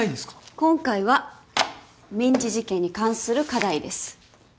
今回は民事事件に関する課題です。